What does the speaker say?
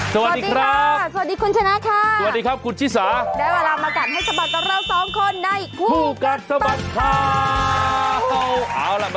สวัสดีครับสวัสดีครับสวัสดีครับสวัสดีครับสวัสดีครับสวัสดีครับ